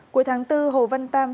cuối tháng bốn hồ văn tam